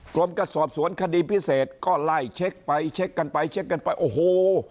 กรมกับสอบสวนคดีพิเศษก็ไล่เช็คไปเช็คกันไปเช็คกันไปโอ้โห